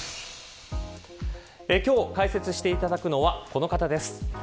今日解説していただくのはこの方です。